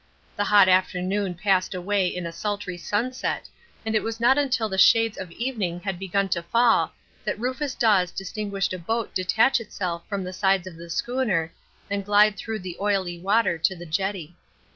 The hot afternoon passed away in a sultry sunset, and it was not until the shades of evening had begun to fall that Rufus Dawes distinguished a boat detach itself from the sides of the schooner, and glide through the oily water to the jetty.